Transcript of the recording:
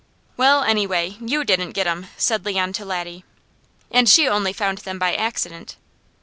"Well, anyway, you didn't get 'em," said Leon to Laddie. "And she only found them by accident!"